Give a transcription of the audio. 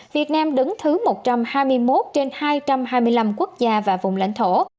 việt nam đứng thứ một trăm hai mươi một trên hai trăm hai mươi năm quốc gia và vùng lãnh thổ